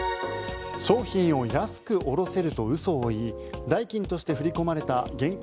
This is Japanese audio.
商品を安く卸せると嘘を言い代金として振り込まれた現金